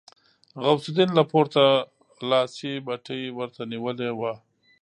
غوث الدين له پورته لاسي بتۍ ورته نيولې وه.